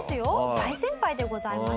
大先輩でございます。